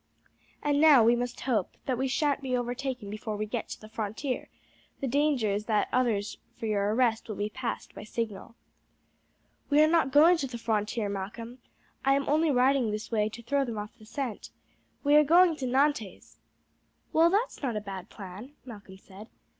And now we must hope that we sha'nt be overtaken before we get to the frontier. The danger is that orders for your arrest will be passed by signal." "We are not going to the frontier, Malcolm; I am only riding this way to throw them off the scent. We are going to Nantes." "Well, that's not a bad plan," Malcolm said.